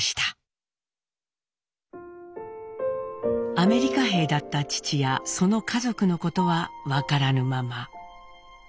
アメリカ兵だった父やその家族のことは分からぬまま。